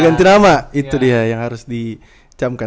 ganti nama itu dia yang harus dicamkan